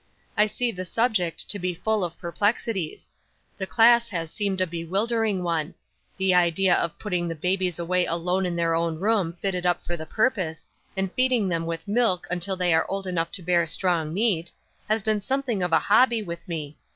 "I see the subject to be full of perplexities; the class has seemed a bewildering one; the idea of putting the babies away alone in their own room fitted up for the purpose, and feeding them with milk until they are old enough to bear strong meat, has been something of a hobby with me.